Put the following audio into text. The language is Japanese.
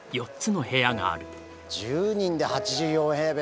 １０人で８４平米。